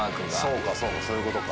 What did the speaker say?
そうか、そうか、そういうことか。